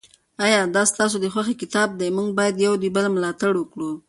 آیا دا ستاسو د خوښې کتاب دی؟ موږ باید د یو بل ملاتړ وکړو.